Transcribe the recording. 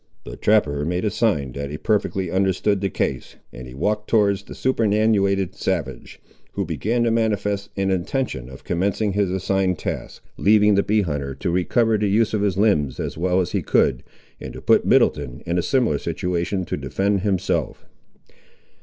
The trapper made a sign that he perfectly understood the case; and he walked towards the superannuated savage, who began to manifest an intention of commencing his assigned task, leaving the bee hunter to recover the use of his limbs as well as he could, and to put Middleton in a similar situation to defend himself.